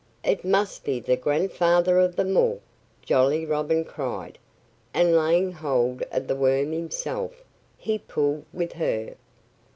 "It must be the grandfather of them all!" Jolly Robin cried. And laying hold of the worm himself, he pulled with her.